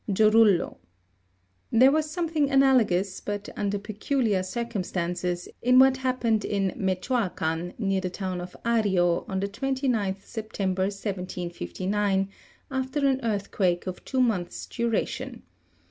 Jorullo. There was something analogous, but under peculiar circum stances, in what happened in Mechoacan, n<?ar the town of Ario, on the 29th September, 1759, after an earthquake of two months duration.